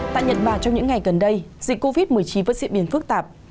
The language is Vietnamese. tại nhật bản trong những ngày gần đây dịch covid một mươi chín vẫn diễn biến phức tạp